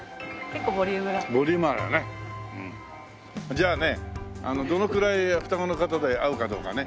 じゃあねどのくらい双子の方で合うかどうかね。